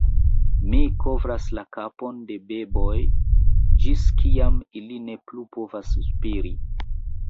"Mi kovras la kapon de beboj ĝis kiam ili ne plu povas spiri."